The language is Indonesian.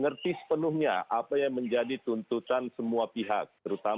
kesempatan ini membahas